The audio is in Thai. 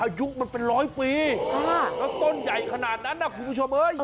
อายุมันเป็นร้อยปีแล้วต้นใหญ่ขนาดนั้นนะคุณผู้ชมเอ้ย